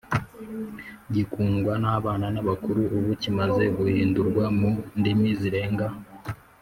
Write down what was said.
Gikundwa n’abana n’abakuru Ubu kimaze guhindurwa mu ndimi zirenga !